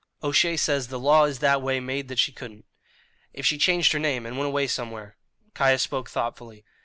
"O'Shea says the law is that way made that she couldn't." "If she changed her name and went away somewhere " Caius spoke thoughtfully.